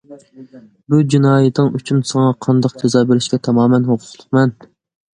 بۇ جىنايىتىڭ ئۈچۈن ساڭا قانداق جازا بېرىشكە تامامەن ھوقۇقلۇقمەن.